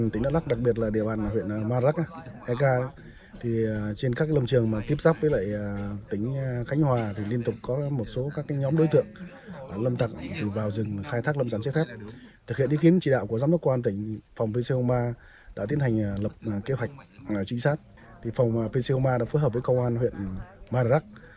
tiến hành lập kế hoạch trinh sát phòng pcoma đã phối hợp với công an huyện madarak